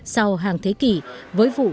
sau hàng thế kỷ với vụ